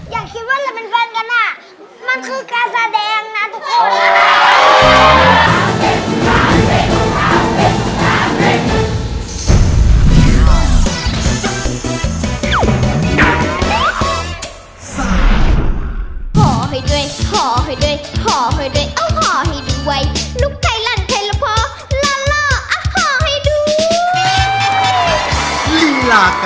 อยากคิดว่าเราเป็นแฟนกันอ่ะ